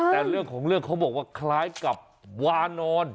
แต่เรื่องของเรื่องเขาบอกว่าคล้ายกับวานอน